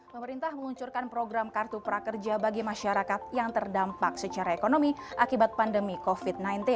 pemerintah menguncurkan program kartu prakerja bagi masyarakat yang terdampak secara ekonomi akibat pandemi covid sembilan belas